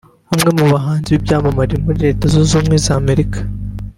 umwe mu bahanzi b’ibyamamare muri Leta Zunze Ubumwe za Amerika